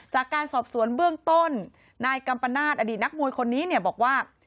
จากการสอบสวนเบื้องต้นนายกัมปนาศอดีตนักมวยคนนี้เนี่ยบอกว่า